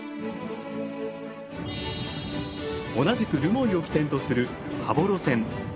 同じく留萌を起点とする羽幌線。